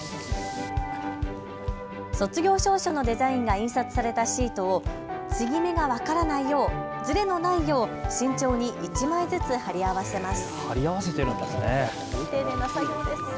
卒業証書のデザインが印刷されたシートを継ぎ目が分からないようずれのないよう慎重に１枚ずつ貼り合わせます。